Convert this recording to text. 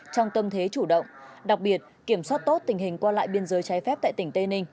trong tâm thế chủ động đặc biệt kiểm soát tốt tình hình qua lại biên giới trái phép tại tỉnh tây ninh